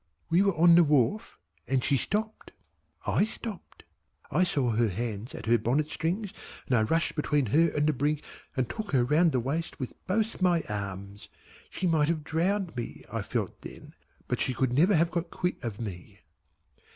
We were on the wharf and she stopped. I stopped. I saw her hands at her bonnet strings, and I rushed between her and the brink and took her round the waist with both my arms. She might have drowned me, I felt then, but she could never have got quit of me.